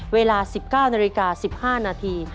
เวลา๑๙นาฬิกา๑๕นาที